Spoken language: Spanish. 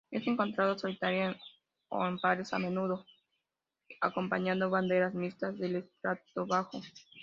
Es encontrado solitario o en pares, a menudo acompañando bandadas mixtas del estrato bajo.